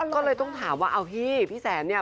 ก็เลยต้องถามว่าเอาพี่พี่แสนเนี่ย